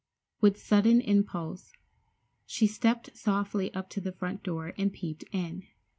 With sudden impulse, she stepped softly up to the front door and peeped in.